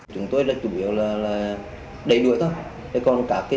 chúng tôi là chủ yếu là đẩy đuổi thôi